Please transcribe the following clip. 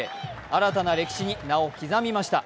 新たな歴史に名を刻みました。